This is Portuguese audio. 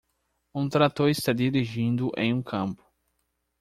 Um trator está dirigindo em um campo.